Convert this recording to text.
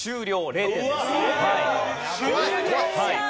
０点です。